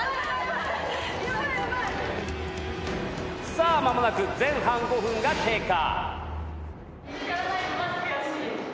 さあ間もなく前半５分が経過。